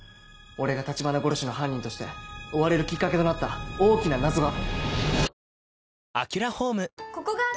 俺が橘殺しの犯人として追われるキッカケとなった大きな謎が。